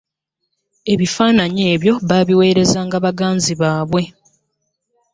Ebifaananyi ebyo baabiweerezanga baganzi baabwe,.